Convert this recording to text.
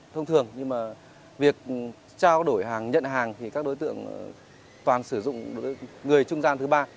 thông thường nhưng mà việc trao đổi hàng nhận hàng thì các đối tượng toàn sử dụng người trung gian thứ ba